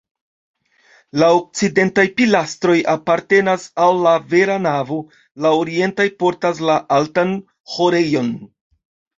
La okcidentaj pilastroj apartenas al la vera navo, la orientaj portas la altan ĥorejon.